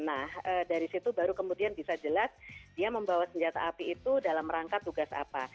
nah dari situ baru kemudian bisa jelas dia membawa senjata api itu dalam rangka tugas apa